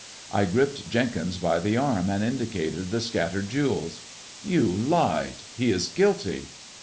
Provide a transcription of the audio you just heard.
I gripped Jenkins by the arm and indicated the scattered jewels. " You lied ! He is guilty